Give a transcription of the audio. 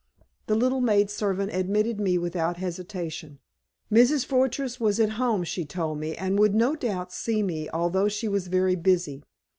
The little maid servant admitted me without hesitation. Mrs. Fortress was at home, she told me, and would no doubt see me, although she was very busy.